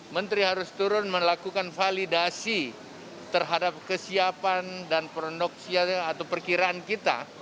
menteri harus turun melakukan validasi terhadap kesiapan dan produksi atau perkiraan kita